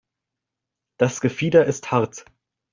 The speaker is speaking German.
Das Gefieder ist hart.